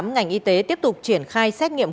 ngành y tế tiếp tục triển khai xét nghiệm